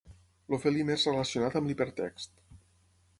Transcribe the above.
El felí més relacionat amb l'hipertext.